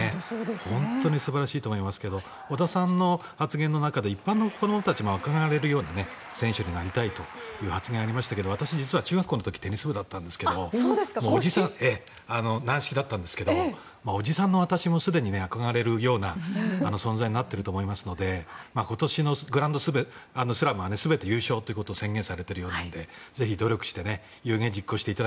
本当に素晴らしいと思いますけど小田さんの発言の中で一般の子どもたちが憧れるような選手になりたいという発言がありましたけど私、実は中学校の時テニス部だったんですが軟式だったんですがおじさんの私もすでに憧れるような存在になっていると思いますので今年のグランドスラムは全て優勝ということをカツカレー？